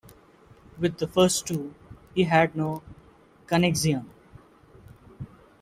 With the first two he had no connexion.